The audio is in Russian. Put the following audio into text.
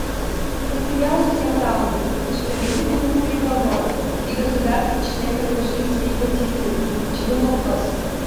Состоялось семь раундов межправительственных переговоров, и государства-члены изложили свои позиции по ключевым вопросам.